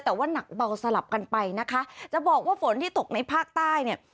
แต่ว่าหนักเบาสลับกันไปนะคะจะบอกว่าฝนที่ตกในภาคใต้เนี่ย